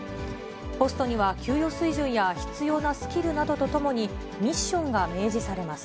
ポストには給与水準や必要なスキルなどとともに、ミッションが明示されます。